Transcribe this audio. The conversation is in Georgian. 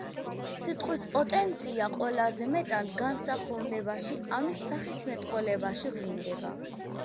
სიტყვის პოტენცია ყველაზე მეტად განსახოვნებაში ანუ სახისმეტყველებაში ვლინდება.